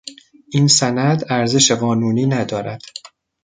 این سند ارزش قانونی ندارد.